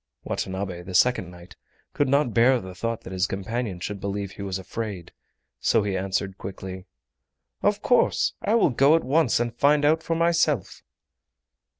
Watanabe, the second knight, could not bear the thought that his companion should believe he was afraid, so he answered quickly: "Of course, I will go at once and find out for myself!"